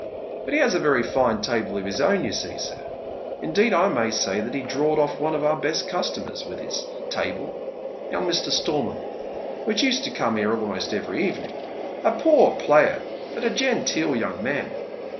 But he has a very fine table of his own, you see, sir ; indeed, I may say he drawed off one of our best customers with his table — young Mr. Stormont, which used to come here almost every evening, a poor Slayer, but a genteel young man.